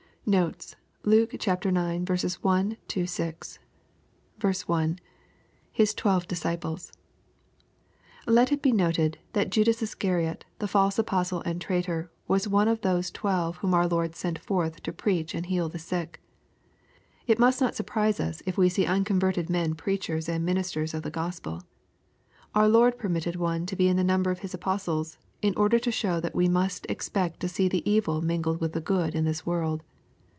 ~^ Notes. Luke IX. 1 — 6. 1 — [.fl& twelve disciples.] Let it be noted, that Judas Iscariot, the false apostle and traitor, was one of those twelve whom our Lord sent forth to preach and heal the sick. It must not surprise us, if we see unconverted men preachers and ministers of the GospeL Our Lord permitted one to be in the number of His apostles, in order to show that we must expect to see the evil mingled with the good in this world.